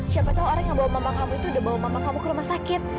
siapa tahu orang yang bawa mama kamu itu udah bawa mama kamu ke rumah sakit